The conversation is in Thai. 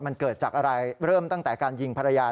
มันเกิดจากอะไรเริ่มตั้งแต่การยิงภรรยา